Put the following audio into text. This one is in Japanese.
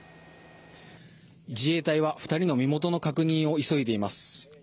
自衛隊は２人の身元の確認を急いでいます。